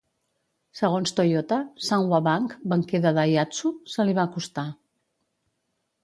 Segons Toyota, Sanwa Bank, banquer de Daihatsu, se li va acostar.